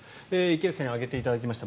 池内さんに挙げていただきました